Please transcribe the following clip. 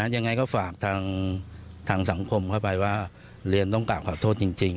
ยังไงก็ฝากทางสังคมเข้าไปว่าเรียนต้องกลับขอโทษจริง